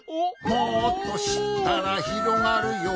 「もっとしったらひろがるよ」